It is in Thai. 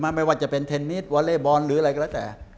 ไม่ว่าจะเป็นเทนนิสวอเล่บอลหรืออะไรก็แล้วแต่